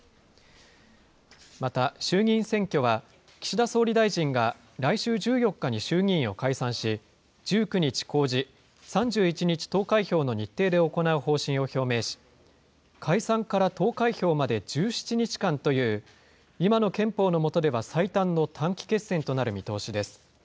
また、衆議院選挙は、岸田総理大臣が来週１４日に衆議院を解散し、１９日公示、３１日投開票の日程で行う方針を表明し、解散から投開票まで１７日間という、今の憲法の下では最短の短期決戦となる見通しです。